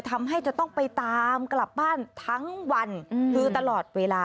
ทำให้จะต้องไปตามกลับบ้านทั้งวันคือตลอดเวลา